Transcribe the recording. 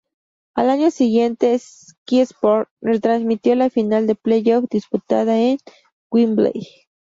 Al año siguiente, Sky Sports retransmitió la final del play-off, disputada en Wembley.